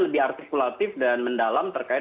lebih artikulatif dan mendalam terkait